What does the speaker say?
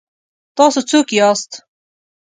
ـ تاسو څوک یاست؟